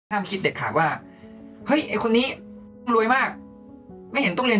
คิดเด็ดขาดว่าเฮ้ยไอ้คนนี้มึงรวยมากไม่เห็นต้องเรียน